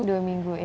dua minggu ya